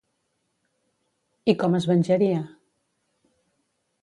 I com es venjaria?